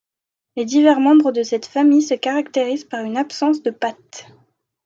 Les divers membres de cette famille se caractérisent par une absence de pattes.